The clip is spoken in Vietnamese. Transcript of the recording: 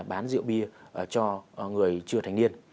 vi phạm cái quy định là bán rượu bia cho người chưa thành niên